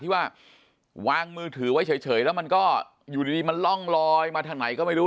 ที่ว่าวางมือถือไว้เฉยแล้วมันก็อยู่ดีมันร่องลอยมาทางไหนก็ไม่รู้